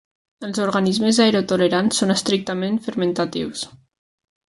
Els organismes aerotolerants són estrictament fermentatius.